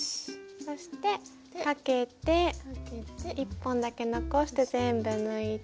そしてかけて１本だけ残して全部抜いて。